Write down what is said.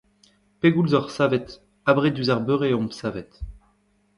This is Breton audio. Pegoulz oc’h savet ? Abred diouzh ar beure omp savet.